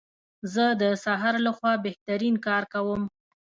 زه د سهار لخوا بهترین کار کوم.